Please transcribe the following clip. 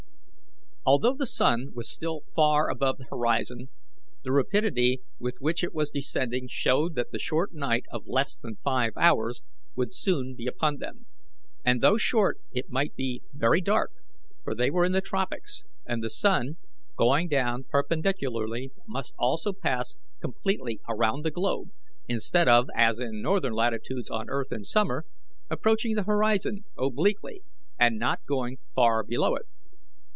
Although the sun was still far above the horizon, the rapidity with which it was descending showed that the short night of less than five hours would soon be upon them; and though short it might be very dark, for they were in the tropics, and the sun, going down perpendicularly, must also pass completely around the globe, instead of, as in northern latitudes on earth in summer, approaching the horizon obliquely, and not going far below it.